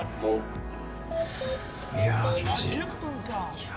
いや、気持ちいい。